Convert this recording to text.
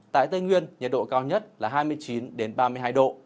tại tây nguyên nhiệt độ cao nhất là hai mươi chín ba mươi hai độ